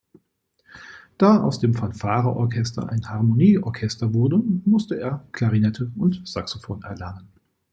Da aus dem Fanfare-Orchester ein Harmonie-Orchester wurde, musste er Klarinette und Saxophon erlernen.